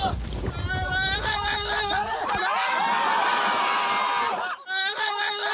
うわ！